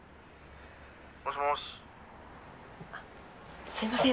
「もしもーし」あっすいません